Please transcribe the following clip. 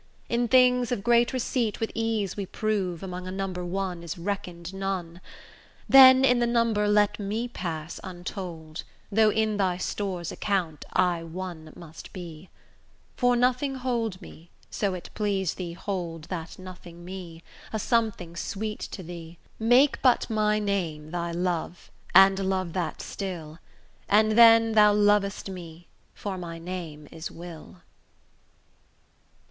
In things of great receipt with ease we prove Among a number one is reckon'd none: Then in the number let me pass untold, Though in thy store's account I one must be; For nothing hold me, so it please thee hold That nothing me, a something sweet to thee: Make but my name thy love, and love that still, And then thou lov'st me for my name is 'Will.